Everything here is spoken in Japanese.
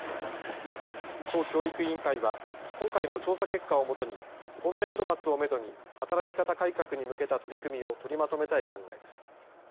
都教育委員会は今回の調査結果をもとに今年度末をめどに働き方改革に向けた取り組みを取りまとめたい考えです。